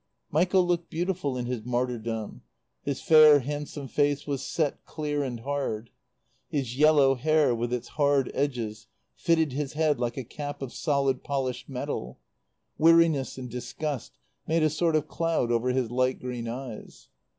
Michael looked beautiful in his martyrdom. His fair, handsome face was set clear and hard. His yellow hair, with its hard edges, fitted his head like a cap of solid, polished metal. Weariness and disgust made a sort of cloud over his light green eyes.